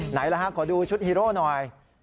ไหนล่ะฮะขอดูชุดฮีโร่หน่อย